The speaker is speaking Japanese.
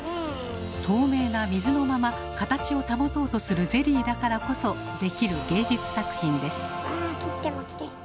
透明な水のまま形を保とうとするゼリーだからこそできる芸術作品です。